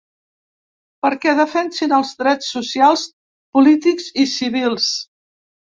Perquè defensin els drets socials, polítics i civils.